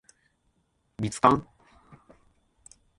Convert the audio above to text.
蜜柑